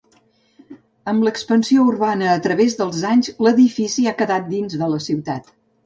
Amb l'expansió urbana a través dels anys, l'edifici ha quedat dins de la ciutat.